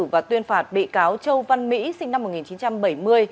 và tuyên phạt bị cáo châu văn mỹ sinh năm một nghìn chín trăm bảy mươi